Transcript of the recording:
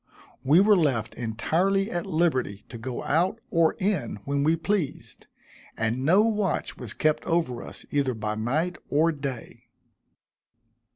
We were left entirely at liberty to go out or in when we pleased, and no watch was kept over us either by night or day.